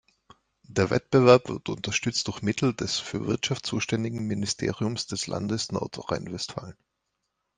Der Wettbewerb wird unterstützt durch Mittel des für Wirtschaft zuständigen Ministeriums des Landes Nordrhein-Westfalen.